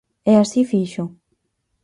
E así fixo.